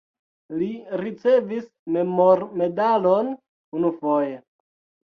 Li ricevis memormedalon unufoje.